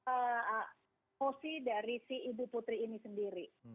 emosi dari si ibu putri ini sendiri